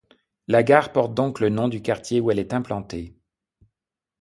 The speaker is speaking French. La gare porte donc le nom du quartier où elle est implantée.